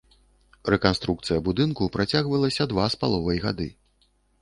Рэканструкцыя будынку працягвалася два з паловай гады.